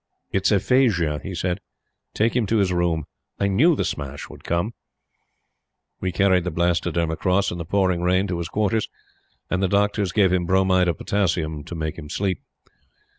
"It's aphasia," he said. "Take him to his room. I KNEW the smash would come." We carried the Blastoderm across, in the pouring rain, to his quarters, and the Doctor gave him bromide of potassium to make him sleep.